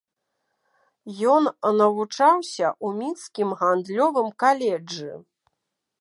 Ён навучаўся ў мінскім гандлёвым каледжы.